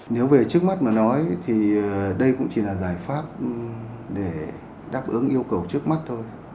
nếu về trước mắt mà nói thì đây cũng chỉ là giải pháp để đáp ứng yêu cầu trước mắt thôi